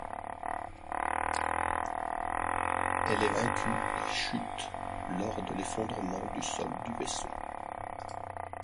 Elle est vaincue et chute lors de l'effondrement du sol du vaisseau.